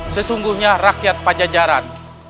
sesungguhnya rakyat pajajaran